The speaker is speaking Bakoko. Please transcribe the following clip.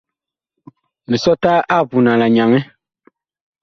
Misɔta ag punan la nyaŋɛ.